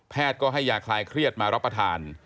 ก็ให้ยาคลายเครียดมารับประทาน